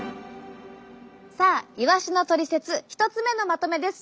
さあイワシのトリセツ１つ目のまとめです。